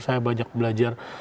saya banyak belajar